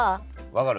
分かる。